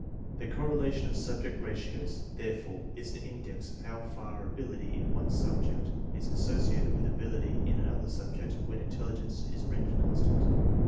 The correla tion of Subject Ratios therefore is an index of how far ability in one subject is associated with ability in another subject when intelligence is rendered constant.